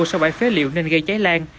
sau bãi phế liệu nên gây cháy lan